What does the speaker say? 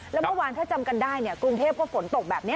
แล้วเมื่อวานถ้าจำกันได้กรุงเทพก็ฝนตกแบบนี้